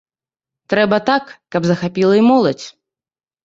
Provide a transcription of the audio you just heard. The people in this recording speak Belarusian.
Трэба так, каб захапіла і моладзь.